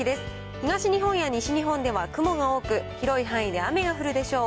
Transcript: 東日本や西日本では雲が多く、広い範囲で雨が降るでしょう。